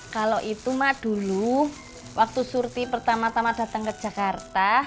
kalau itu mak dulu waktu surti pertama tama datang ke jakarta